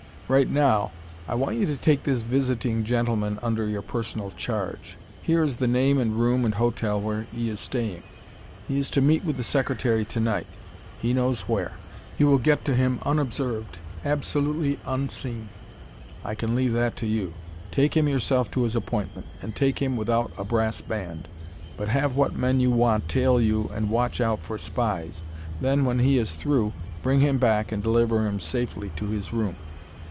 Right now. I want you to take this visiting gentleman under your personal charge. Here is the name and the room and hotel where he is staying. He is to meet with the Secretary to night he knows where. You will get to him unobserved absolutely unseen; I can leave that to you. Take him yourself to his appointment, and take him without a brass band. But have what men you want tail you and watch out for spies.... Then, when he is through, bring him back and deliver him safely to his room.